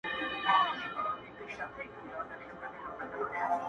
جهاني د قلم ژبه دي ګونګۍ که،